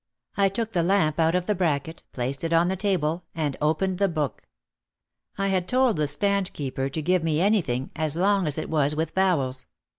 I took the lamp out of the bracket, placed it on the table, and opened the book. I had told the stand keeper to give me anything as long as it was with vowels.